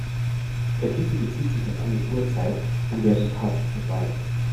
Der Titel bezieht sich auf eine Uhrzeit, an der die Party vorbei ist.